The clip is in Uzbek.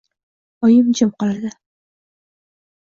Oyim jim qoladi.